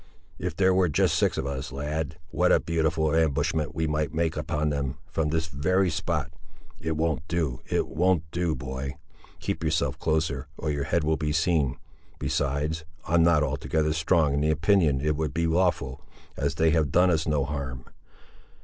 If there were just six of us, lad, what a beautiful ambushment we might make upon them, from this very spot—it won't do, it won't do, boy; keep yourself closer, or your head will be seen—besides, I'm not altogether strong in the opinion it would be lawful, as they have done us no harm.